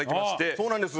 そうなんです。